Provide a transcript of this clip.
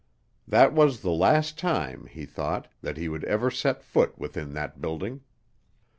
That was the last time, he thought, that he would ever set foot within that building.